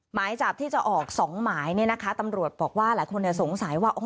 หมายจับที่จะออกสองหมายเนี่ยนะคะตำรวจบอกว่าหลายคนสงสัยว่า